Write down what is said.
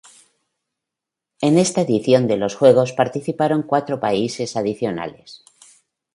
En esta edición de los juegos participaron cuatro países adicionales.